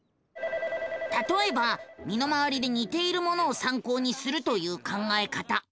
たとえば身の回りでにているものをさんこうにするという考え方。